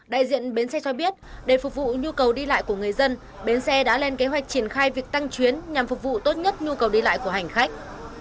đại diện bến xe cho biết để phục vụ nhu cầu đi lại của người dân bến xe đã lên kế hoạch triển khai việc tăng chuyến nhằm phục vụ tốt nhất nhu cầu đi lại của hành khách